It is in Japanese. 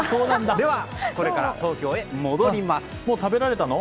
では、これから東京へ戻ります。